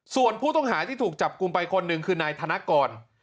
ส่วนผู้ต้องหาที่ถูกจับกลุ่มไปคนหนึ่งคือนายธนกร